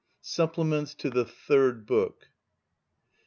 SUPPLEMENTS TO THE THIRD BOOK.